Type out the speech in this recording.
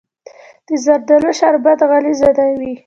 د زردالو شربت غلیظ وي.